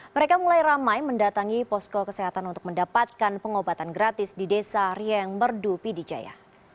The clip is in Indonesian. mereka mulai ramai mendatangi posko kesehatan untuk mendapatkan pengobatan gratis di desa rieng merdu pidijaya